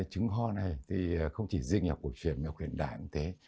trứng ho này thì không chỉ riêng y học cổ truyền mà y học huyền đảng như thế